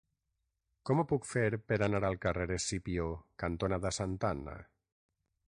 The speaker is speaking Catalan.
Com ho puc fer per anar al carrer Escipió cantonada Santa Anna?